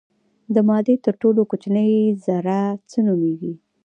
د مادې تر ټولو کوچنۍ ذره څه نومیږي.